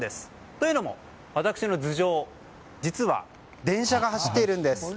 というのも、私の頭上実は電車が走っているんです。